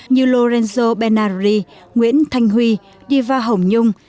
như lorenzo benarri nguyễn thanh huy diva hồng nhung